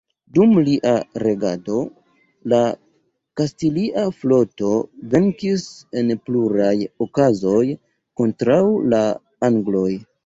Dum lia regado, la kastilia floto venkis en pluraj okazoj kontraŭ la angloj.